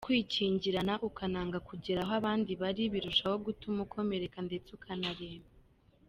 Kwikingirana ukanga kugera aho abandi bari birushaho gutuma ukomereka ndetse ukanaremba.